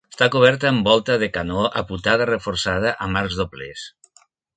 Està coberta amb volta de canó apuntada reforçada amb arcs doblers.